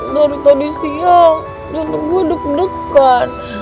dari tadi siang jantung gua deg degan